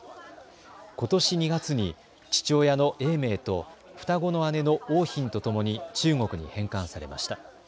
ことし２月に父親の永明と双子の姉の桜浜とともに中国に返還されました。